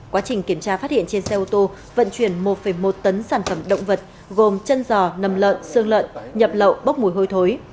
quá trình kiểm tra phát hiện trên xe ô tô vận chuyển một một tấn sản phẩm động vật gồm chân giò nầm lợn xương lợn nhập lậu bốc mùi hôi thối